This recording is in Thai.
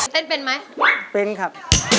เต้นเป็นไหมเป็นครับ